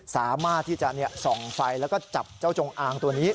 สามารถที่จะส่องไฟแล้วก็จับเจ้าจงอางตัวนี้